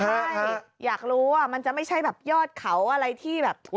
ใช่อยากรู้ว่ามันจะไม่ใช่แบบยอดเขาอะไรที่แบบ